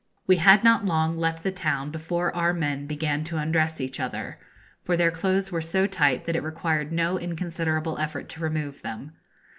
We had not long left the town before our men began to undress each other; for their clothes were so tight that it required no inconsiderable effort to remove them.